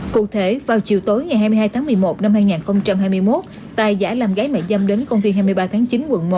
cụ thể vào chiều tối ngày hai mươi hai tháng một mươi một năm hai nghìn hai mươi một tài giả làm gái mẹ dâm đến công viên hai mươi ba tháng chín quận một